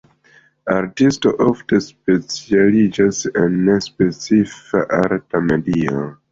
Artisto ofte specialiĝas en specifa arta medio.